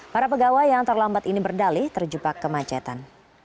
para pegawai yang terlambat ini berdalih terjebak kemacetan